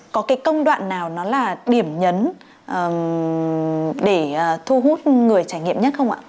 có cái công đoạn nào nó là điểm nhấn để thu hút người trải nghiệm nhất không ạ